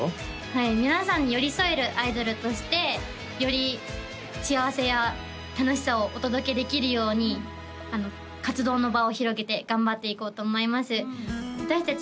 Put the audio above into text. はい皆さんに寄り添えるアイドルとしてより幸せや楽しさをお届けできるように活動の場を広げて頑張っていこうと思います